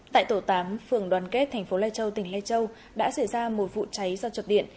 tại tổ tám phường đoàn kết tp lai châu tỉnh lai châu đã xảy ra một vụ cháy do chụp điện